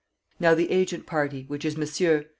"Now the agent party, which is Monsieur.